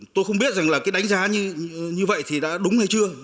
tôi không biết đánh giá như vậy đã đúng hay chưa